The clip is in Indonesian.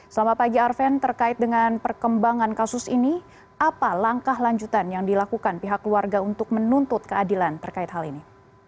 selamat pagi arven terkait dengan perkembangan kasus ini apa langkah lanjutan yang dilakukan pihak keluarga untuk menuntut keadilan terkait hal ini